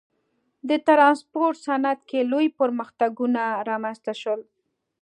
د ټرانسپورت صنعت کې لوی پرمختګونه رامنځته شول.